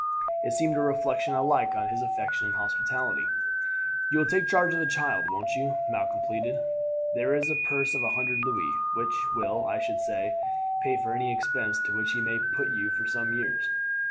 It seemed a reflection alike on his affection and hospitality. "You will take charge of the child, won't you?" Malcolm pleaded. "There is a purse of a hundred louis, which will, I should say, pay for any expense to which he may put you for some years."